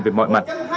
về mọi mặt